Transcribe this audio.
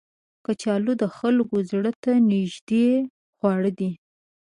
کچالو د خلکو زړه ته نیژدې خواړه دي